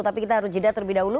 tapi kita harus jeda terlebih dahulu